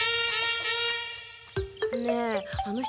ねえあの人